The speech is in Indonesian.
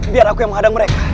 biar aku yang menghadang mereka